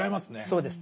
そうですね。